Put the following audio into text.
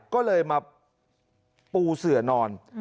ก็เลยมาปูเสือนอน